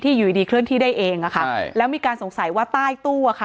อยู่ดีเคลื่อนที่ได้เองอะค่ะใช่แล้วมีการสงสัยว่าใต้ตู้อ่ะค่ะ